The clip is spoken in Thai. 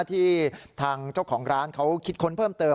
ที่ทางเจ้าของร้านเขาคิดค้นเพิ่มเติม